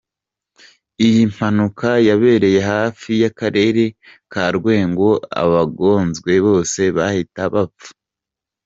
Iyi mpanuka yabereye hafi y’ akarere ka Lwengo abagonzwe bose bahita bapfa.